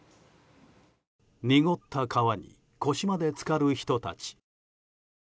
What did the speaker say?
濁った川に腰まで浸かる人たち。